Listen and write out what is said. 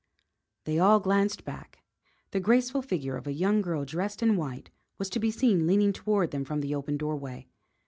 They all glanced back. The graceful figure of a young girl dressed in white was to be seen leaning toward them from the open doorway.